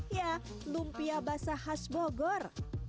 ya lumpia basah khas bogor